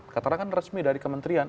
katanya kan resmi dari kementerian